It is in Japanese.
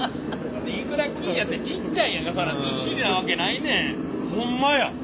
いくら金やてちっちゃいやんかそらずっしりなわけないねん！